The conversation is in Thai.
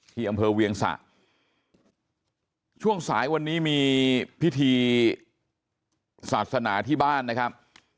ที่อำเภอเวียงสะช่วงสายวันนี้มีพิธีศาสนาที่บ้านนะครับ